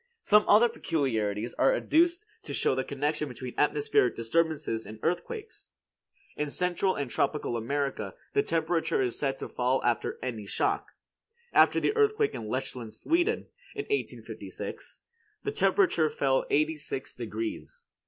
Some other peculiarities are adduced to show the connection between atmospheric disturbances and earthquakes. In Central and Tropical America the temperature is said to fall after any shock. After the earthquake at Lechsand, Sweden, in 1856, the temperature fell eighty six degrees.